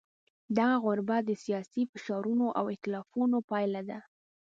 دغه غربت د سیاسي فشارونو او ایتلافونو پایله ده.